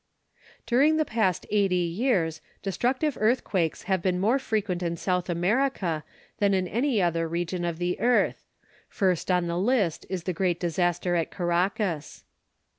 During the past eighty years destructive earthquakes have been more frequent in South America than in any other region of the earth. First on the list is the great disaster at Caracas.